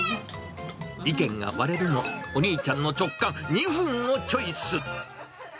意見が割れるも、お兄ちゃんの直感、２分をチョイス。